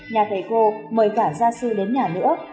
nhà thầy cô mời cả gia sư đến nhà nữa